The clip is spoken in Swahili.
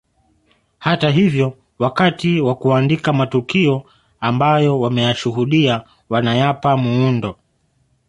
Hata hivyo wakati wa kuandika matukio ambayo wameyashuhudia wanayapa muundo